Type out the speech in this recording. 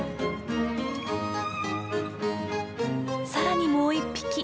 さらにもう１匹。